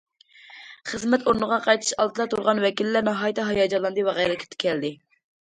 خىزمەت ئورنىغا قايتىش ئالدىدا تۇرغان ۋەكىللەر ناھايىتى ھاياجانلاندى ۋە غەيرەتكە كەلدى.